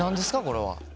これは。